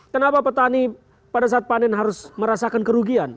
kenapa petani pada saat panen harus merasakan kerugian